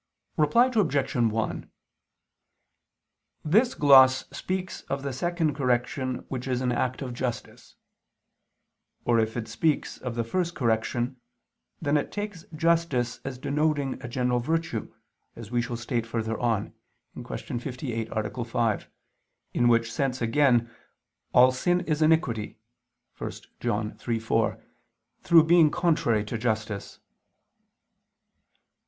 Reply Obj. 1: This gloss speaks of the second correction which is an act of justice. Or if it speaks of the first correction, then it takes justice as denoting a general virtue, as we shall state further on (Q. 58, A. 5), in which sense again all "sin is iniquity" (1 John 3:4), through being contrary to justice.